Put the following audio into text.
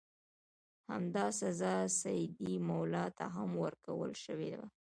همدا سزا سیدي مولا ته هم ورکړل شوې وه.